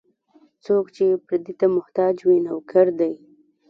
څوک چې پردي ته محتاج وي، نوکر دی.